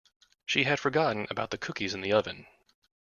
She had forgotten about the cookies in the oven.